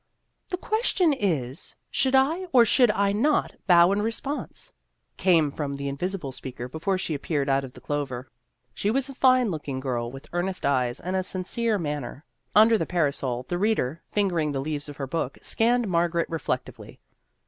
"The question is, Should I, or should I not, bow in response?" came from the invisible speaker, before she appeared out of the clover. She was a fine looking girl with earnest eyes and a sincere manner. Under the parasol, the reader, finger ing the leaves of her book, scanned Mar garet reflectively.